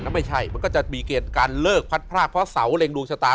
แล้วไม่ใช่มันก็จะมีเกณฑ์การเลิกพัดพรากเพราะเสาเล็งดวงชะตา